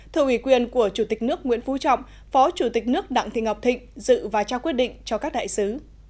thưa ủy quyền của chủ tịch nước nguyễn phú trọng phó chủ tịch nước đặng thị ngọc thịnh dự và trao quyết định cho các đại sứ